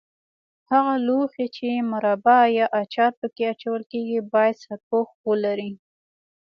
هغه لوښي چې مربا یا اچار په کې اچول کېږي باید سرپوښ ولري.